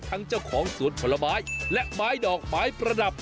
เจ้าของสวนผลไม้และไม้ดอกไม้ประดับ